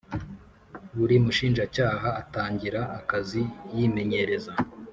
Buri mushinjacyaha atangira akazi yimenyereza